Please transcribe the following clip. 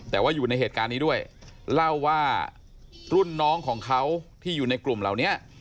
แต่ว่าอยู่ในเหตุการณ์นี้ด้วยเล่าว่ารุ่นน้องของเขาที่อยู่ในกลุ่มเหล่านี้